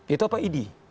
itu apa idi